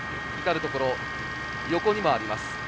至るところ、横にもあります。